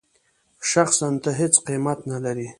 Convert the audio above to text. شخصاً ته هېڅ قېمت نه لرې.